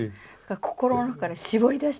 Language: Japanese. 心の中で絞り出してる。